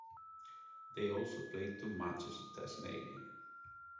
They also played two matches in Tasmania.